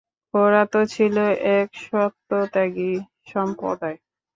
ওরা তো ছিল এক সত্যত্যাগী সম্প্রদায়।